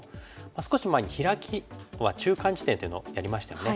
少し前にヒラキは中間地点というのをやりましたよね。